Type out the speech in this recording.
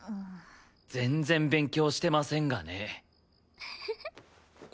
全然勉強してませんがね。